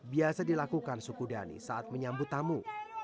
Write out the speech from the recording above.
biasa dilakukan suku dhani saat menyambut tamu